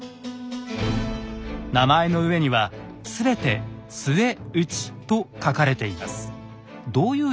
名前の上には全て「陶内」と書かれています。